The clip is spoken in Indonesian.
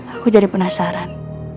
aku jadi penasaran